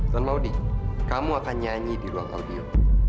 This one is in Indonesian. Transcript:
dan maudie kamu akan nyanyi di ruang audio